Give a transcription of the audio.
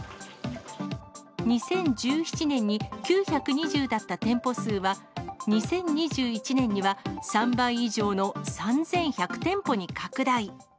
２０１７年に９２０だった店舗数は、２０２１年には３倍以上の３１００店舗に拡大。